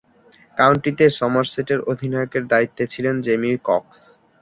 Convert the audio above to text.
কাউন্টিতে সমারসেটের অধিনায়কের দায়িত্বে ছিলেন জেমি কক্স।